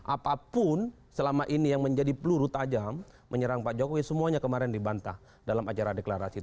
apapun selama ini yang menjadi peluru tajam menyerang pak jokowi semuanya kemarin dibantah dalam acara deklarasi